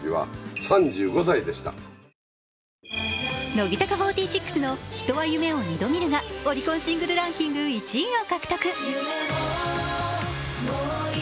乃木坂４６の「人は夢を二度見る」がオリコンシングルランキング１位を獲得。